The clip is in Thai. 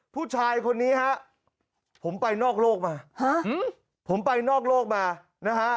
ผู้ชายคนนี้ฮะผมไปนอกโลกมาฮะผมไปนอกโลกมานะฮะ